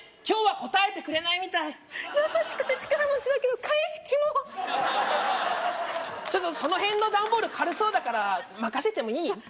今日は答えてくれないみたい優しくて力持ちだけど返しキモっちょっとその辺のダンボール軽そうだから任せてもいい？